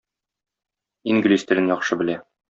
Инглиз телен яхшы белә.